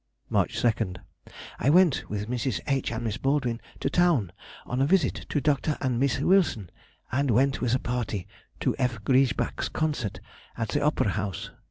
March 2nd.—I went with Mrs. H. and Miss Baldwin to town on a visit to Dr. and Miss Wilson, and went with a party to F. Griesbach's concert at the Opera House.